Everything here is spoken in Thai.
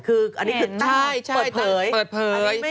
คืออันนี้คือหน้าเปิดเผย